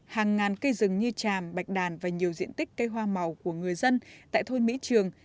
hàng ngàn cây rừng như tràm bạch đàn và nhiều diện tích cây hoa màu của người dân tại thôn mỹ trường